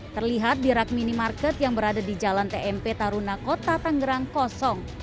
terlihat di rak minimarket yang berada di jalan tmp taruna kota tanggerang kosong